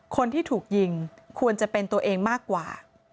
คนที่ถูกยิงควรจะเป็นตัวเองมากกว่า